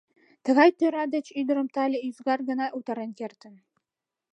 Тыгай тӧра деч ӱдырым тале ӱзгар гына утарен кертын.